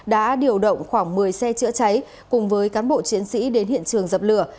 đã điều động khoảng một mươi xe chữa cháy cùng với cán bộ chiến sĩ đến hiện trường dập lửa